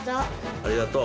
ありがとう。